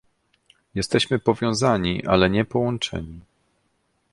Jesteśmy powiązani, ale nie połączeni